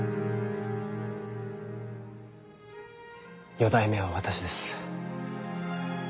四代目は私です。